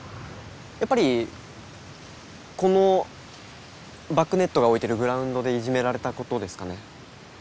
やっぱりこのバックネットが置いてるグラウンドでいじめられたことですかね。